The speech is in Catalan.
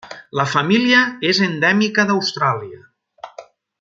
La família és endèmica d'Austràlia.